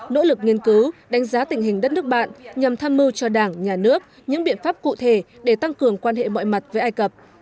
nỗ lực nghiên cứu đánh giá tình hình đất nước bạn nhằm tham mưu cho đảng nhà nước những biện pháp cụ thể để tăng cường quan hệ mọi mặt với ai cập